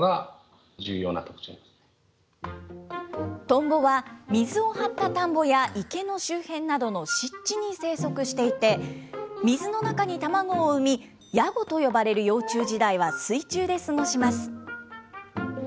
トンボは水を張った田んぼや池の周辺などの湿地に生息していて、水の中に卵を産み、ヤゴと呼ばれる幼虫時代は水中で過ごします。